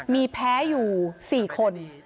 มีแพ้อยู่๔คน